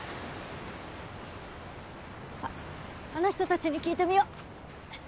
あっあの人たちに聞いてみよ。